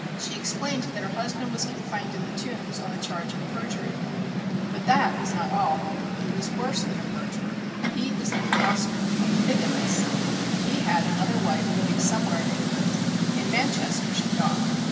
She explained that her husband was confined in the Tombs on a charge of perjury. But that was not all he was worse than a perjurer. He was an impostor a bigamist. He had another wife living somewhere in England in Manchester, she thought.